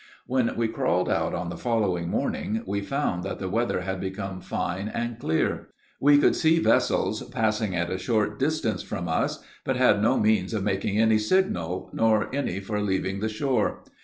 When we crawled out on the following morning we found that the weather had become fine and clear. We could see vessels passing at a short distance from us, but had no means of making any signal, nor any for leaving the shore.